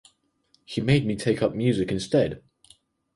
He made me take up music instead.